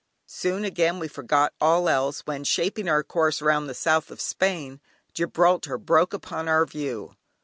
Soon again we forgot all else, when, shaping our course round the south of Spain, Gibraltar broke upon our view.